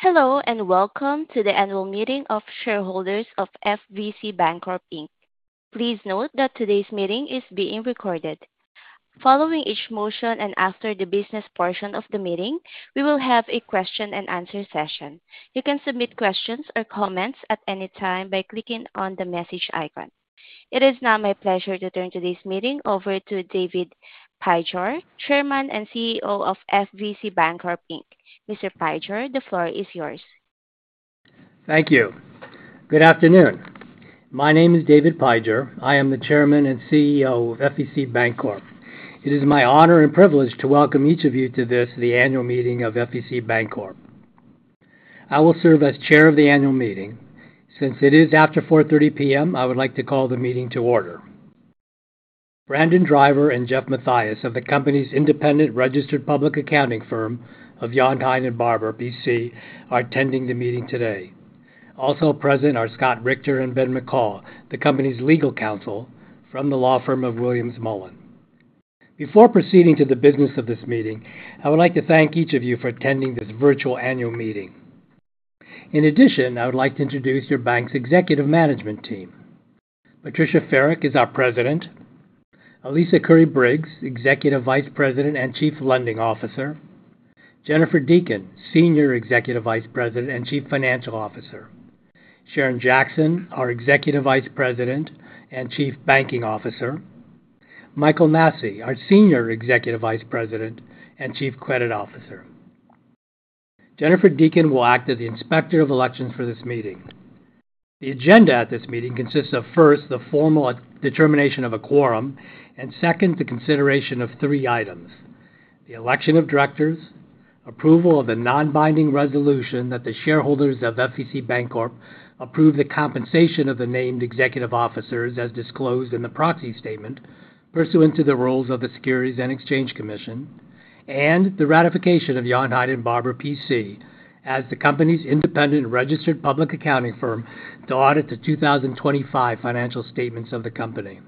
Hello and welcome to the annual meeting of shareholders of FVCBankcorp. Please note that today's meeting is being recorded. Following each motion and after the business portion of the meeting, we will have a question-and-answer session. You can submit questions or comments at any time by clicking on the message icon. It is now my pleasure to turn today's meeting over to David W. Pijor, Chairman and CEO of FVCBankcorp Inc. Mr. Pijor, the floor is yours. Thank you. Good afternoon. My name is David W. Pijor. I am the Chairman and CEO of FVCBankcorp. It is my honor and privilege to welcome each of you to this, the annual meeting of FVCBankcorp. I will serve as Chair of the annual meeting. Since it is after 4:30 P.M., I would like to call the meeting to order. Brandon Driver and Jeff Mathias of the company's independent registered public accounting firm of Yount & Company, P.C., are attending the meeting today. Also present are Scott Richter and Ben McCall, the company's legal counsel from the law firm of Williams Mullen. Before proceeding to the business of this meeting, I would like to thank each of you for attending this virtual annual meeting. In addition, I would like to introduce your bank's executive management team. Patricia A. Ferrick is our President. Alisa Curry-Briggs, Executive Vice President and Chief Lending Officer. Jennifer Deacon, Senior Executive Vice President and Chief Financial Officer. Sharon Jackson, our Executive Vice President and Chief Banking Officer. Michael Massey, our Senior Executive Vice President and Chief Credit Officer. Jennifer Deacon will act as the Inspector of Elections for this meeting. The agenda at this meeting consists of, first, the formal determination of a quorum and, second, the consideration of three items: the election of directors, approval of a non-binding resolution that the shareholders of FVCBankcorp approve the compensation of the named executive officers as disclosed in the proxy statement pursuant to the rules of the Securities and Exchange Commission, and the ratification of Yount & Company, P.C., as the company's independent registered public accounting firm to audit the 2025 financial statements of the company.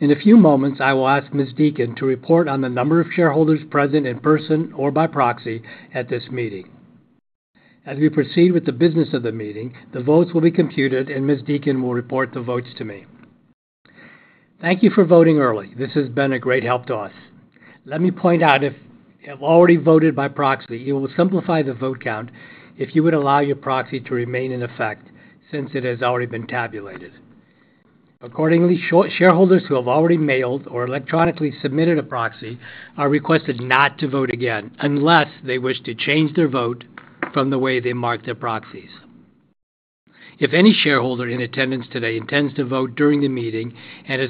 In a few moments, I will ask Ms. Deacon to report on the number of shareholders present in person or by proxy at this meeting. As we proceed with the business of the meeting, the votes will be computed and Ms. Deacon will report the votes to me. Thank you for voting early. This has been a great help to us. Let me point out, if you have already voted by proxy, it will simplify the vote count if you would allow your proxy to remain in effect since it has already been tabulated. Accordingly, shareholders who have already mailed or electronically submitted a proxy are requested not to vote again unless they wish to change their vote from the way they marked their proxies. If any shareholder in attendance today intends to vote during the meeting and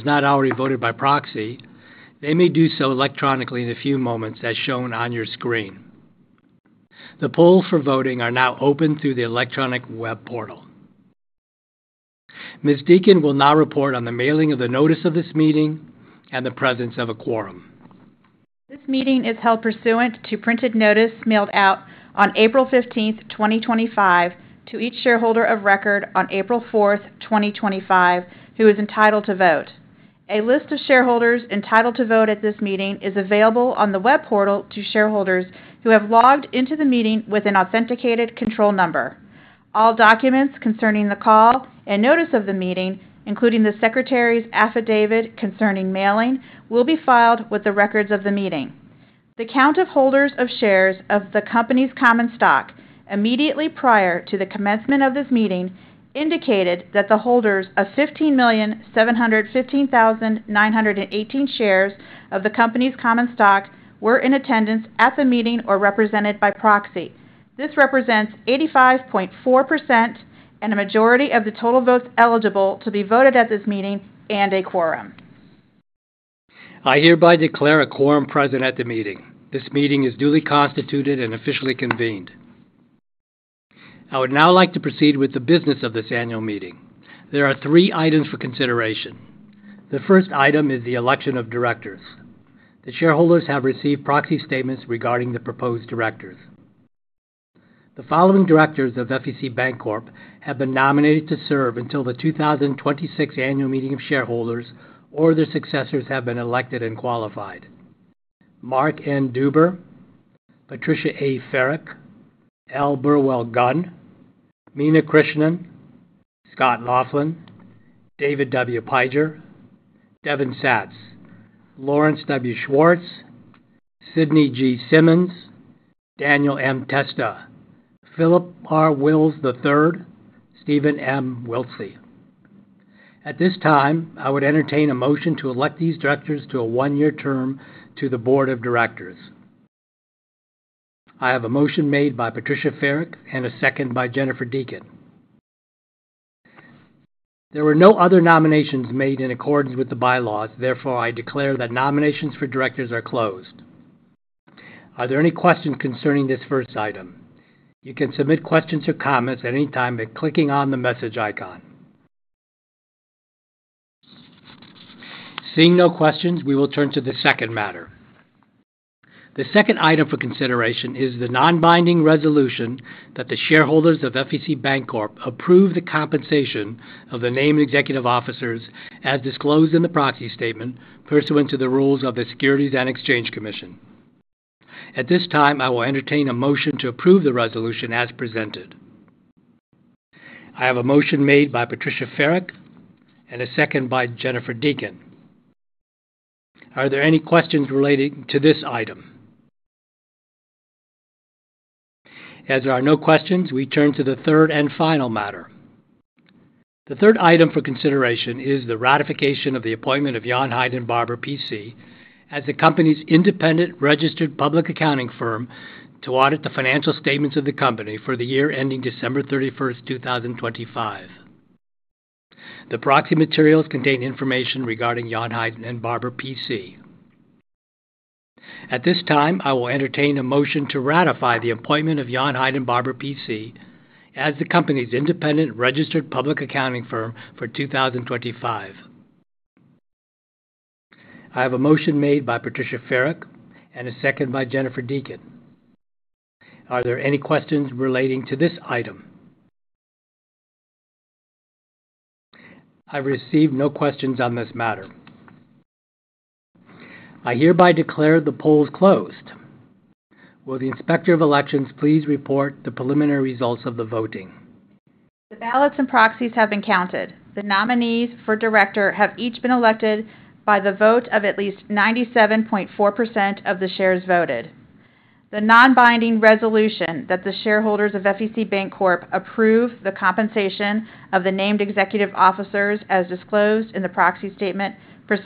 has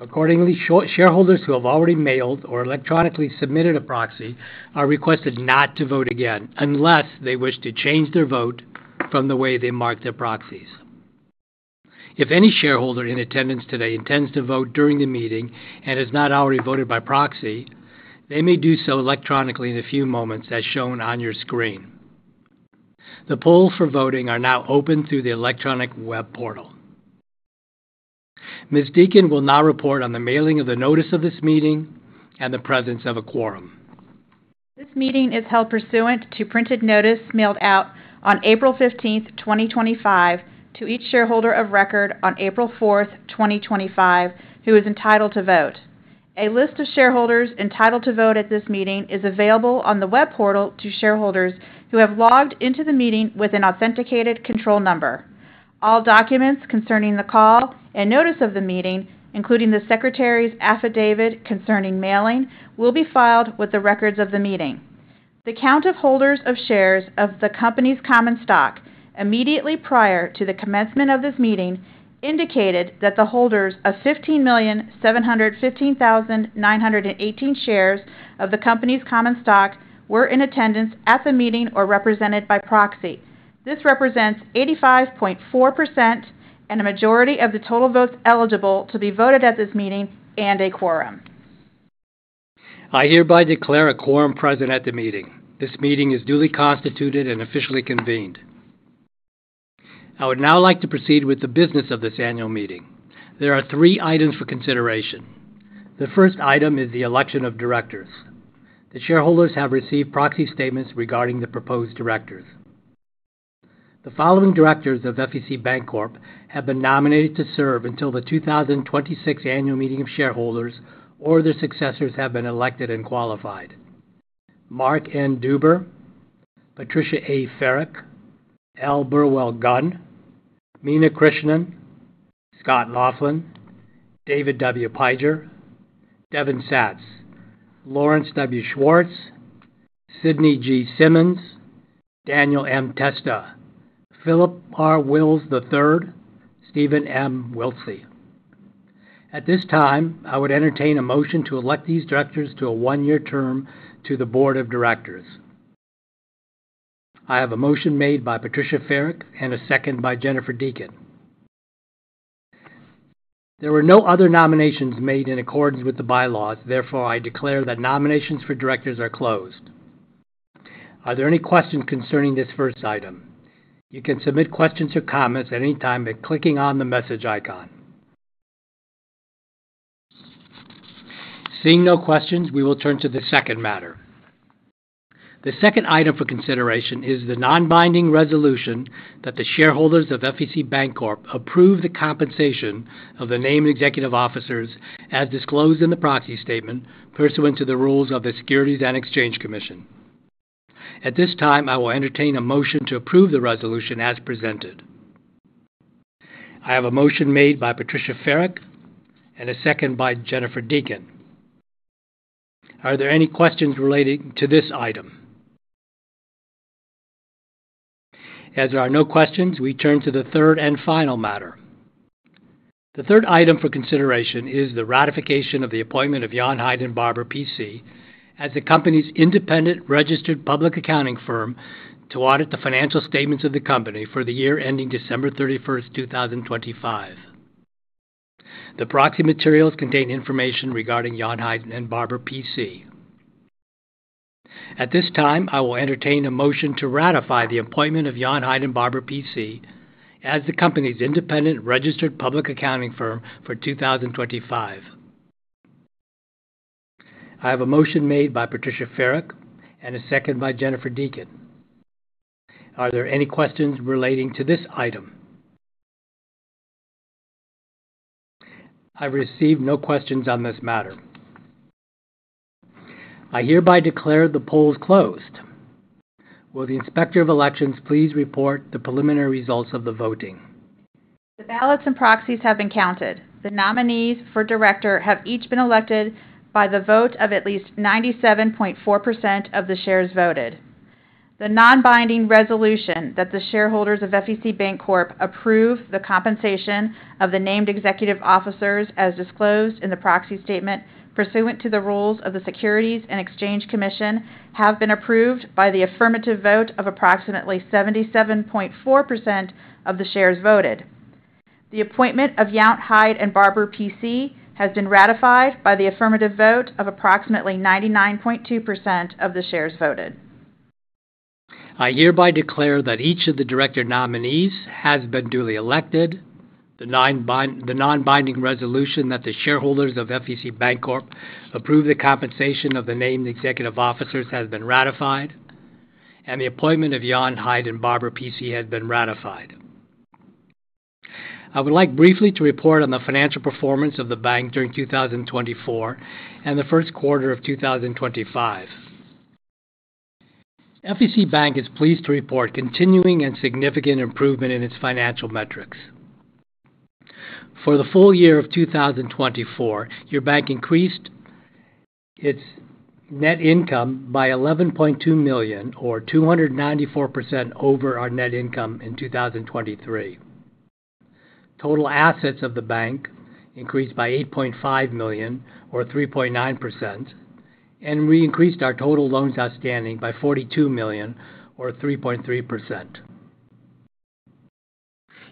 not already voted by proxy, they may do so electronically in a few moments as shown on your screen. The polls for voting are now open through the electronic web portal. Ms. Deacon will now report on the mailing of the notice of this meeting and the presence of a quorum. This meeting is held pursuant to printed notice mailed out on April 15, 2025, to each shareholder of record on April 4, 2025, who is entitled to vote. A list of shareholders entitled to vote at this meeting is available on the web portal to shareholders who have logged into the meeting with an authenticated control number. All documents concerning the call and notice of the meeting, including the Secretary's affidavit concerning mailing, will be filed with the records of the meeting. The count of holders of shares of the company's common stock immediately prior to the commencement of this meeting indicated that the holders of 15,715,918 shares of the company's common stock were in attendance at the meeting or represented by proxy. This represents 85.4% and a majority of the total votes eligible to be voted at this meeting and a quorum. I hereby declare a quorum present at the meeting. This meeting is duly constituted and officially convened. I would now like to proceed with the business of this annual meeting. There are three items for consideration. The first item is the election of directors. The shareholders have received proxy statements regarding the proposed directors. The following directors of FVCBankcorp have been nominated to serve until the 2026 annual meeting of shareholders or their successors have been elected and qualified: Mark N. Deuber, Patricia A. Ferrick, L. Burwell-Gunn, Mina Krishnan, Scott Laughlin, David W. Pijor, Devin Satz, Lawrence W. Schwartz, Sidney G. Simmons, Daniel M. Testa, Philip R. Wills III, Stephen M. Wiltsey. At this time, I would entertain a motion to elect these directors to a one-year term to the board of directors. I have a motion made by Patricia A. Ferrick and a second by Jennifer Deacon. There were no other nominations made in accordance with the bylaws. Therefore, I declare that nominations for directors are closed. Are there any questions concerning this first item? You can submit questions or comments at any time by clicking on the message icon. Seeing no questions, we will turn to the second matter. The second item for consideration is the non-binding resolution that the shareholders of FVCBankcorp approve the compensation of the named executive officers as disclosed in the proxy statement pursuant to the rules of the Securities and Exchange Commission. At this time, I will entertain a motion to approve the resolution as presented. I have a motion made by Patricia A. Ferrick and a second by Jennifer Deacon. Are there any questions relating to this item? As there are no questions, we turn to the third and final matter. The third item for consideration is the ratification of the appointment of Yount & Company, P.C., as the company's independent registered public accounting firm to audit the financial statements of the company for the year ending December 31, 2025. The proxy materials contain information regarding Yount & Company, P.C. At this time, I will entertain a motion to ratify the appointment of Yount & Company, P.C., as the company's independent registered public accounting firm for 2025. I have a motion made by Patricia A. Ferrick and a second by Jennifer Deacon. Are there any questions relating to this item? I've received no questions on this matter. I hereby declare the polls closed. Will the Inspector of Elections please report the preliminary results of the voting? The ballots and proxies have been counted. The nominees for director have each been elected by the vote of at least 97.4% of the shares voted. The non-binding resolution that the shareholders of FVCBankcorp approve the compensation of the named executive officers as disclosed in the proxy statement pursuant to the rules of the Securities and Exchange Commission has been approved by the affirmative vote of approximately 77.4% of the shares voted. The appointment of Yount & Company, P.C. has been ratified by the affirmative vote of approximately 99.2% of the shares voted. I hereby declare that each of the director nominees has been duly elected, the non-binding resolution that the shareholders of FVCBankcorp approve the compensation of the named executive officers has been ratified, and the appointment of Yount & Company, P.C. has been ratified. I would like briefly to report on the financial performance of the bank during 2024 and the first quarter of 2025. FVCbank is pleased to report continuing and significant improvement in its financial metrics. For the full year of 2024, your bank increased its net income by $11.2 million, or 294% over our net income in 2023. Total assets of the bank increased by $8.5 million, or 3.9%, and we increased our total loans outstanding by $42 million, or 3.3%.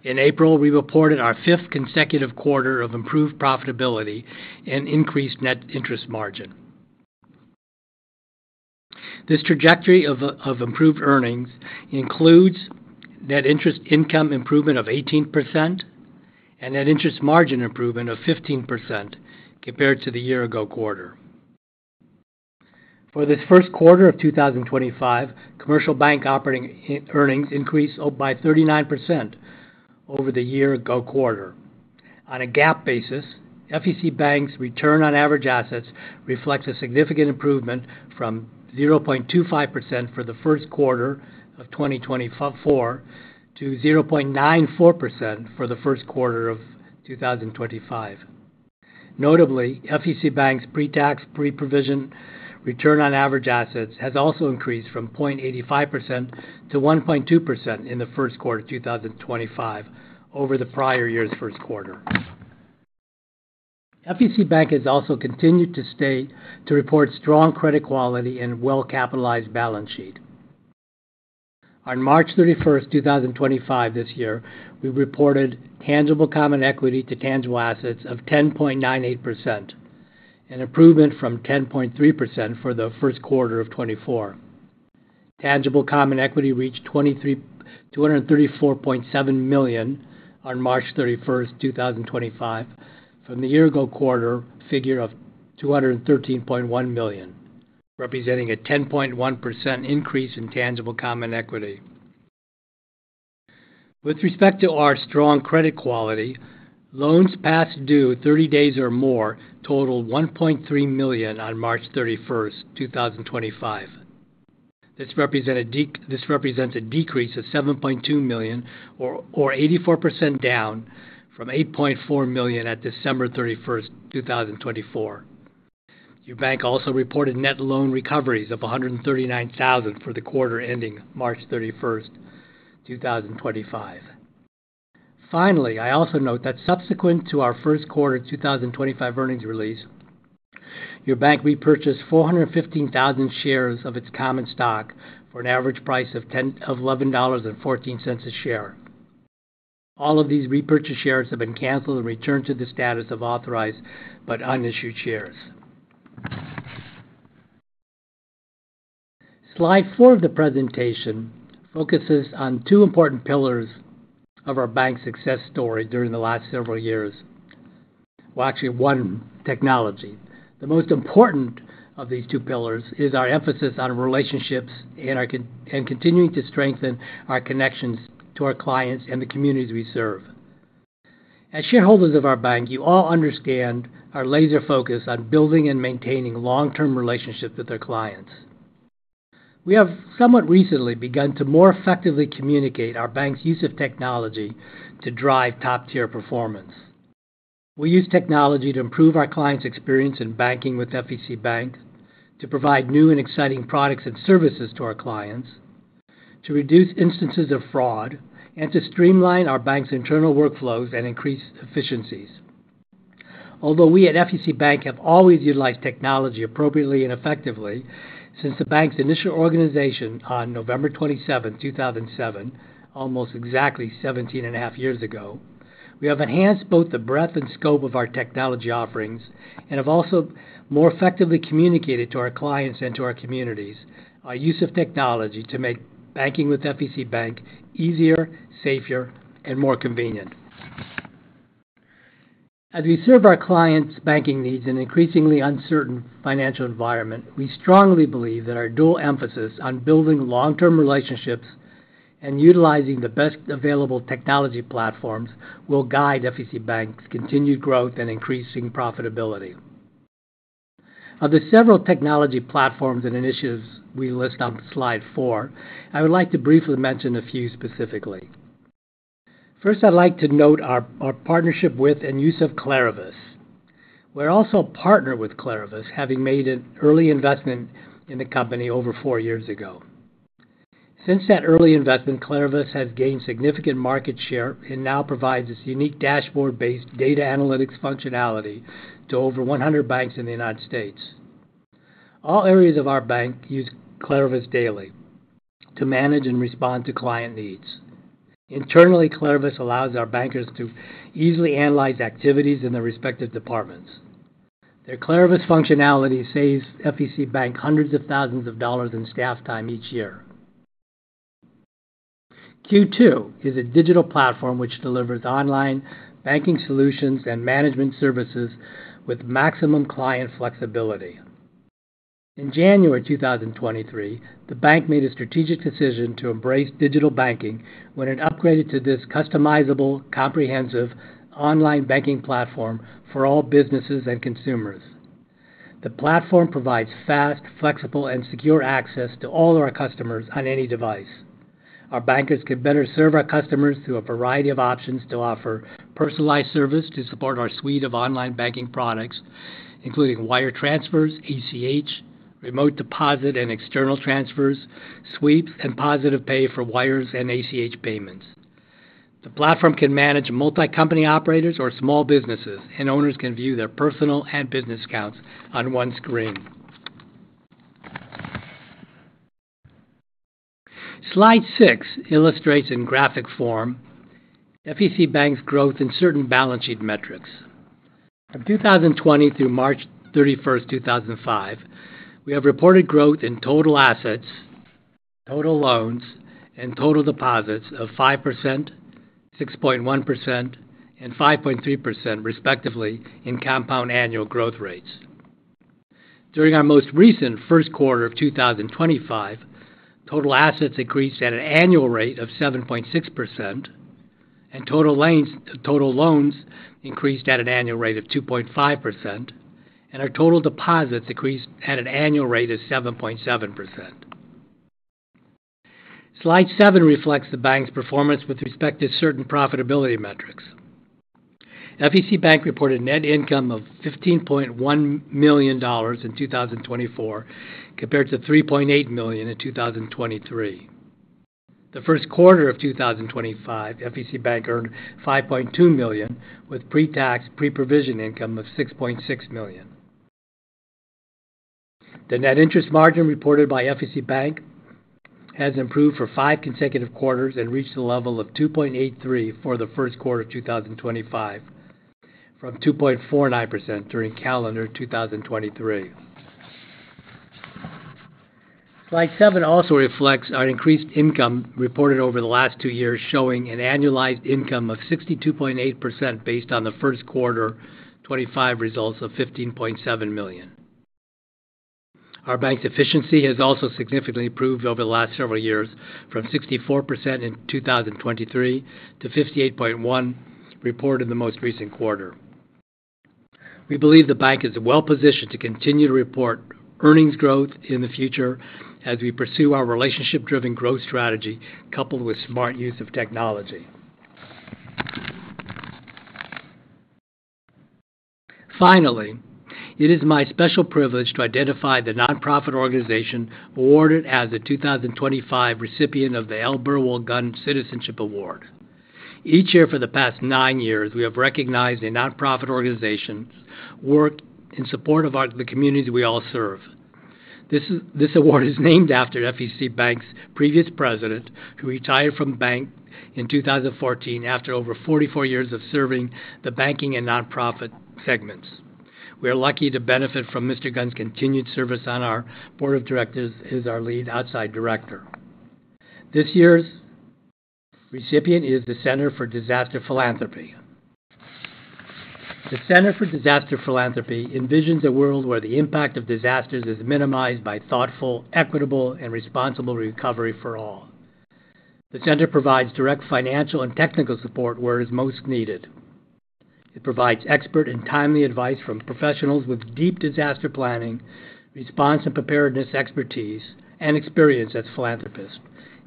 In April, we reported our fifth consecutive quarter of improved profitability and increased net interest margin. This trajectory of improved earnings includes net interest income improvement of 18% and net interest margin improvement of 15% compared to the year-ago quarter. For this first quarter of 2025, commercial bank operating earnings increased by 39% over the year-ago quarter. On a GAAP basis, FVCbank's return on average assets reflects a significant improvement from 0.25% for the first quarter of 2024 to 0.94% for the first quarter of 2025. Notably, FVCbank's pre-tax, pre-provision return on average assets has also increased from 0.85% to 1.2% in the first quarter of 2025 over the prior year's first quarter. FVCbank has also continued to report strong credit quality and well-capitalized balance sheet. On March 31st, 2025, this year, we reported tangible common equity to tangible assets of 10.98%, an improvement from 10.3% for the first quarter of 2024. Tangible common equity reached $234.7 million on March 31, 2025, from the year-ago quarter figure of $213.1 million, representing a 10.1% increase in tangible common equity. With respect to our strong credit quality, loans past due 30 days or more totaled $1.3 million on March 31st, 2025. This represents a decrease of $7.2 million, or 84% down from $8.4 million at December 31, 2024. Your bank also reported net loan recoveries of $139,000 for the quarter ending March 31st, 2025. Finally, I also note that subsequent to our first quarter 2025 earnings release, your bank repurchased 415,000 shares of its common stock for an average price of $11.14 a share. All of these repurchased shares have been canceled and returned to the status of authorized but unissued shares. Slide four of the presentation focuses on two important pillars of our bank's success story during the last several years, actually one technology. The most important of these two pillars is our emphasis on relationships and continuing to strengthen our connections to our clients and the communities we serve. As shareholders of our bank, you all understand our laser focus on building and maintaining long-term relationships with our clients. We have somewhat recently begun to more effectively communicate our bank's use of technology to drive top-tier performance. We use technology to improve our clients' experience in banking with FVCbank, to provide new and exciting products and services to our clients, to reduce instances of fraud, and to streamline our bank's internal workflows and increase efficiencies. Although we at FVCbank have always utilized technology appropriately and effectively since the bank's initial organization on November 27, 2007, almost exactly 17 and a half years ago, we have enhanced both the breadth and scope of our technology offerings and have also more effectively communicated to our clients and to our communities our use of technology to make banking with FVCbank easier, safer, and more convenient. As we serve our clients' banking needs in an increasingly uncertain financial environment, we strongly believe that our dual emphasis on building long-term relationships and utilizing the best available technology platforms will guide FVCbank's continued growth and increasing profitability. Of the several technology platforms and initiatives we list on slide four, I would like to briefly mention a few specifically. First, I'd like to note our partnership with and use of KlariVis. We're also a partner with KlariVis, having made an early investment in the company over four years ago. Since that early investment, KlariVis has gained significant market share and now provides its unique dashboard-based data analytics functionality to over 100 banks in the United States. All areas of our bank use KlariVis daily to manage and respond to client needs. Internally, KlariVis allows our bankers to easily analyze activities in their respective departments. Their KlariVis functionality saves FVCbank hundreds of thousands of dollars in staff time each year. Q2 is a digital platform which delivers online banking solutions and management services with maximum client flexibility. In January 2023, the bank made a strategic decision to embrace digital banking when it upgraded to this customizable, comprehensive online banking platform for all businesses and consumers. The platform provides fast, flexible, and secure access to all of our customers on any device. Our bankers can better serve our customers through a variety of options to offer personalized service to support our suite of online banking products, including wire transfers, ACH, remote deposit and external transfers, sweeps, and positive pay for wires and ACH payments. The platform can manage multi-company operators or small businesses, and owners can view their personal and business accounts on one screen. Slide six illustrates in graphic form FVCbank's growth in certain balance sheet metrics. From 2020 through March 31, 2025, we have reported growth in total assets, total loans, and total deposits of 5%, 6.1%, and 5.3%, respectively, in compound annual growth rates. During our most recent first quarter of 2025, total assets increased at an annual rate of 7.6%, and total loans increased at an annual rate of 2.5%, and our total deposits increased at an annual rate of 7.7%. Slide seven reflects the bank's performance with respect to certain profitability metrics. FVCbank reported net income of $15.1 million in 2024 compared to $3.8 million in 2023. The first quarter of 2025, FVCbank earned $5.2 million with pre-tax, pre-provision income of $6.6 million. The net interest margin reported by FVCbank has improved for five consecutive quarters and reached a level of 2.83% for the first quarter of 2025, from 2.49% during calendar 2023. Slide seven also reflects our increased income reported over the last two years, showing an annualized income of 62.8% based on the first quarter 2025 results of $15.7 million. Our bank's efficiency has also significantly improved over the last several years, from 64% in 2023 to 58.1% reported in the most recent quarter. We believe the bank is well-positioned to continue to report earnings growth in the future as we pursue our relationship-driven growth strategy coupled with smart use of technology. Finally, it is my special privilege to identify the nonprofit organization awarded as a 2025 recipient of the Ellborough Well-Gone Citizenship Award. Each year for the past nine years, we have recognized a nonprofit organization's work in support of the communities we all serve. This award is named after FVCbank's previous president, who retired from the bank in 2014 after over 44 years of serving the banking and nonprofit segments. We are lucky to benefit from Mr. Gunn's continued service on our board of directors as our lead outside director. This year's recipient is the Center for Disaster Philanthropy. The Center for Disaster Philanthropy envisions a world where the impact of disasters is minimized by thoughtful, equitable, and responsible recovery for all. The center provides direct financial and technical support where it is most needed. It provides expert and timely advice from professionals with deep disaster planning, response and preparedness expertise, and experience as philanthropists.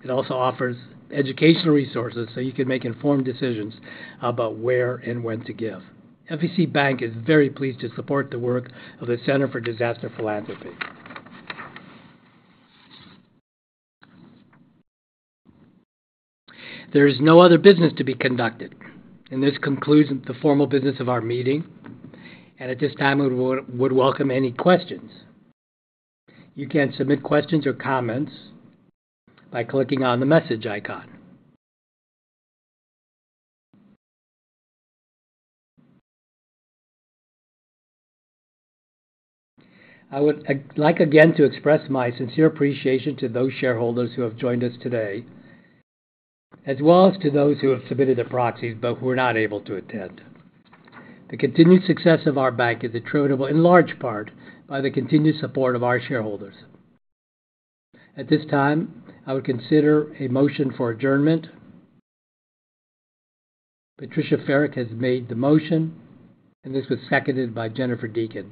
It also offers educational resources so you can make informed decisions about where and when to give. FVCbank is very pleased to support the work of the Center for Disaster Philanthropy. There is no other business to be conducted, and this concludes the formal business of our meeting. At this time, we would welcome any questions. You can submit questions or comments by clicking on the message icon. I would like again to express my sincere appreciation to those shareholders who have joined us today, as well as to those who have submitted their proxies but were not able to attend. The continued success of our bank is attributable, in large part, by the continued support of our shareholders. At this time, I would consider a motion for adjournment. Patricia A. Ferrick has made the motion, and this was seconded by Jennifer Deacon.